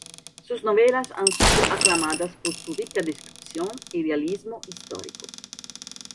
Sus novelas han sido aclamadas por su rica descripción y realismo histórico.